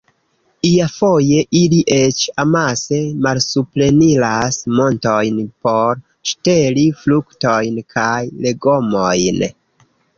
Iafoje ili eĉ amase malsupreniras montojn por ŝteli fruktojn kaj legomojn.